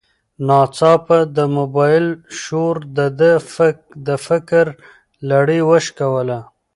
ناڅاپه د موبایل شور د ده د فکر لړۍ وشکوله.